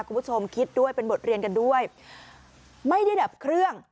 คุณผู้ชมคิดด้วยเป็นบทเรียนกันด้วยไม่ได้ดับเครื่อง